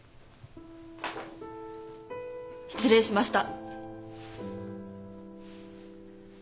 失礼しました。